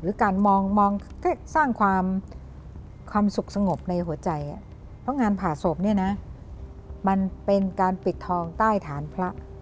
หรือการมองสร้างความสุขสงบในหัวใจเพราะงานผ่าศพเนี่ยนะมันเป็นการปิดทองใต้ฐานพระ